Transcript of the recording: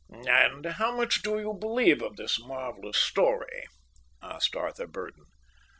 "And how much do you believe of this marvellous story?" asked Arthur Burdon.